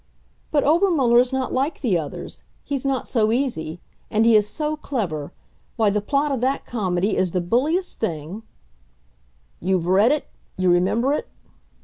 "But Obermuller's not like the others. He's not so easy. And he is so clever; why, the plot of that comedy is the bulliest thing " "You've read it you remember it?"